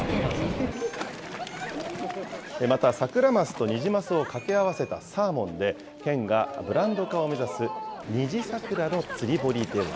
またサクラマスとニジマスを掛け合わせたサーモンで、県がブランド化を目指すニジサクラの釣堀では。